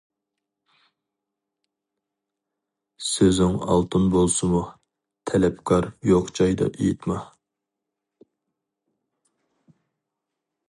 سۆزۈڭ ئالتۇن بولسىمۇ، تەلەپكار يوق جايدا ئېيتما!